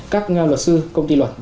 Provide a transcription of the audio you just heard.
các luật sư công ty luật